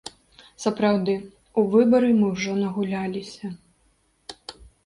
Сапраўды, у выбары мы ўжо нагуляліся.